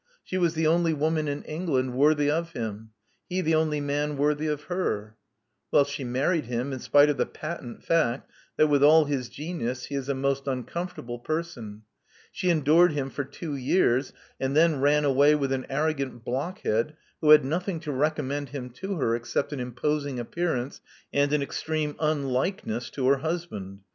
She was the only woman in England worthy of him : he the only man worthy of her. Well, she married him, in spite of the patent fact that with all his genius, he is a most uncomfortable person. She endured him for two years, and then ran away with an arrogant blockhead who had nothing to recommend him to her except an imposing appearance and an extreme unlikeness to her husband.